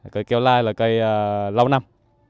cây keo lai là cây lâu năm